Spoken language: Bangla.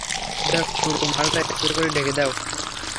ব্যস পুরো মালটা স্প্রে করে ঢেকে দাও।